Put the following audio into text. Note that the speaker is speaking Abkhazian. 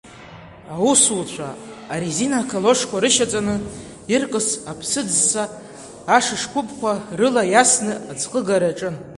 Аусуцәа, арезина калошқәа рышьаҵаны, иркыз аԥсыӡ-сса ашыш-қәыԥқәа рыла иасны аӡхыгара иаҿын.